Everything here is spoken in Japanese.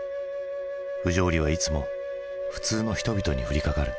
不条理はいつも普通の人々に降りかかる。